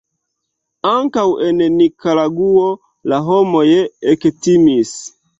Ankaŭ en Nikaragŭo la homoj ektimis.